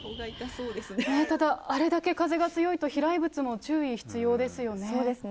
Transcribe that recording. ただ、あれだけ風が強いと飛来物も注意、必要ですね。